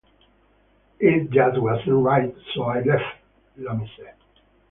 "It just wasn't right, so I left", Iommi said.